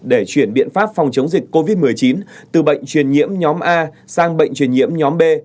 để chuyển biện pháp phòng chống dịch covid một mươi chín từ bệnh truyền nhiễm nhóm a sang bệnh truyền nhiễm nhóm b